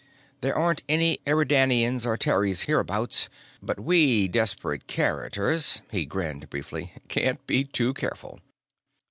There aren't any Eridanians or Terries hereabouts, but we desperate characters " he grinned, briefly "can't be too careful.